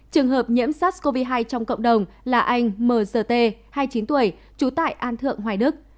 trường hợp nhiễm sars cov hai trong cộng đồng là anh m g t hai mươi chín tuổi trú tại an thượng hoài đức